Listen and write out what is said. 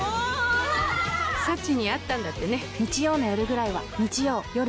サチに会ったんだってね